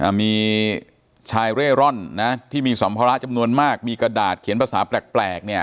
เห็นมีชายเร่อร่อนที่มีสมภาระจำนวนมากมีกระดาษเขียนประสาปแปลก